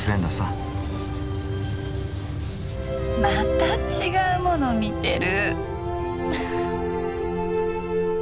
また違うもの見てる。